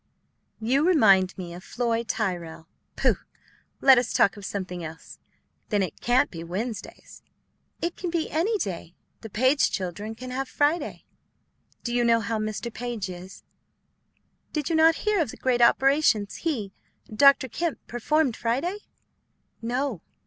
"You remind me of Floy Tyrrell. Pooh! Let us talk of something else. Then it can't be Wednesdays?" "It can be any day. The Page children can have Friday." "Do you know how Mr. Page is?" "Did you not hear of the great operations he Dr. Kemp performed Friday?" "No."